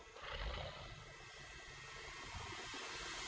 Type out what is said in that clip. mau jadi kayak gini sih salah buat apa